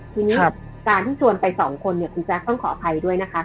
ทีนี้การที่ชวนไปสองคนเนี่ยคุณแจ๊คต้องขออภัยด้วยนะคะ